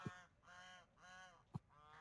ښایست د شنې دښتې غږ دی